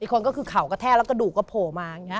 อีกคนปิดข่าวกระแทกกระดูกกระโผล่ลอ